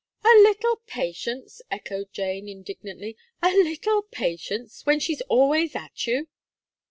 "A little patience!" echoed Jane, indignantly, "a little patience! when she's always at you."